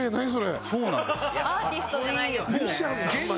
アーティストじゃないですか。